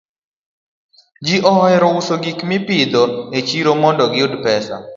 Ji ohero uso gik ma gipidho e chiro mondo giyud pesa.